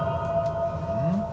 うん？